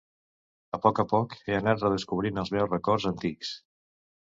A poc a poc, he anat redescobrint els meus records antics.